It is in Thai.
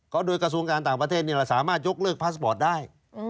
ก็โดยกระทรวงการต่างประเทศนี่แหละสามารถยกเลิกพาสปอร์ตได้